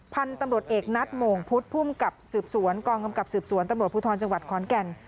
พันธุ์ตำรวจเอกนัดโมงพุทธภูมิกับสืบสวนกองกำกับสืบสวนตำรวจภูทรจังหวัดขอนแก่น